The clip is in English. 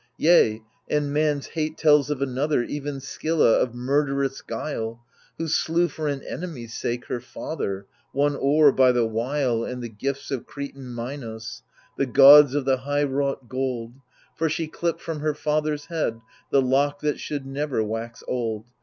Yea, and man's hate tells of another, even Scylla ^ of murderous guile. Who slew for an enemy's sake her father, won o'er by the wile And the gifts of Cretan Minos, the gauds of the high wrought gold ; For she clipped from her father's head the lock that should never wax old.